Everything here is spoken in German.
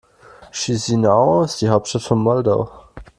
Chișinău ist die Hauptstadt von Moldau.